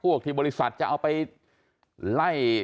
ที่บริษัทจะเอาไปไล่